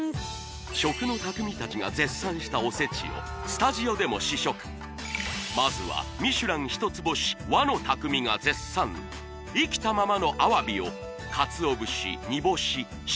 食の匠達が絶賛したおせちをスタジオでも試食まずはミシュラン一つ星和の匠が絶賛生きたままのアワビをカツオ節煮干し